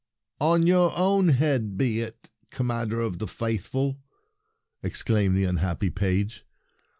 "On your own head be it, Commander of the Faithful! " exclaimed the unhappy page.